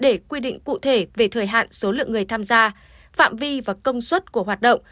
để quy định cụ thể về thời hạn số lượng người tham gia phạm vi và công suất của hoạt động